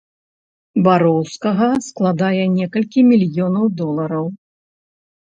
Бароўскага складае некалькі мільёнаў долараў.